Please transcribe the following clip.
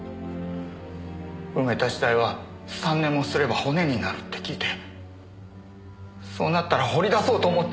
埋めた死体は３年もすれば骨になるって聞いてそうなったら掘り出そうと思って。